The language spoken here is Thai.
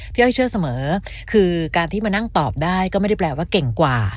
อ้อยเชื่อเสมอคือการที่มานั่งตอบได้ก็ไม่ได้แปลว่าเก่งกว่า